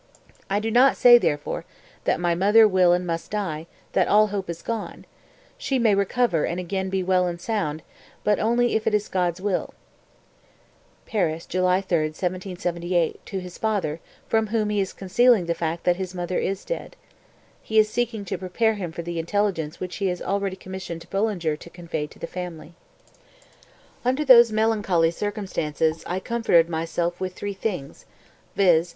I do not say, therefore, that my mother will and must die, that all hope is gone; she may recover and again be well and sound, but only if it is God's will." (Paris, July 3, 1778, to his father, from whom he is concealing the fact that his mother is dead. He is seeking to prepare him for the intelligence which he has already commissioned Bullinger to convey to the family.) 250. "Under those melancholy circumstances I comforted myself with three things, viz.